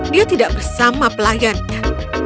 dia tidak bersama pelayannya